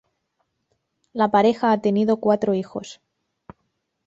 La pareja ha tenido cuatro hijos.